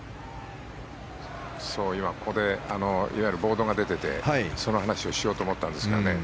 ここでいわゆるボードが出ててその話をしようと思ったんですけどね。